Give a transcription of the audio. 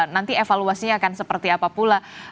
nanti evaluasinya akan seperti apa pula